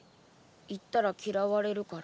言ったら嫌われるから。